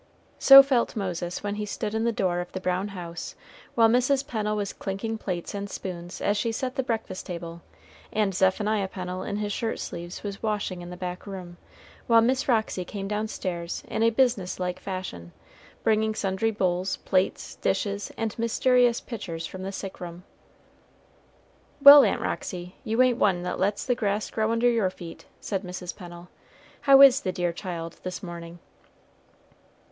So felt Moses when he stood in the door of the brown house, while Mrs. Pennel was clinking plates and spoons as she set the breakfast table, and Zephaniah Pennel in his shirt sleeves was washing in the back room, while Miss Roxy came downstairs in a business like fashion, bringing sundry bowls, plates, dishes, and mysterious pitchers from the sick room. "Well, Aunt Roxy, you ain't one that lets the grass grow under your feet," said Mrs. Pennel. "How is the dear child, this morning?"